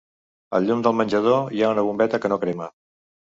Al llum del menjador hi ha una bombeta que no crema.